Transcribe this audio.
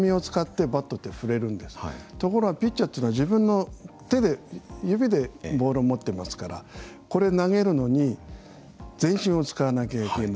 ところがピッチャーっていうのは自分の手で指でボールを持ってますからこれ投げるのに全身を使わなきゃいけない。